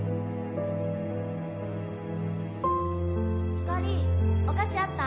・ひかりお菓子あった？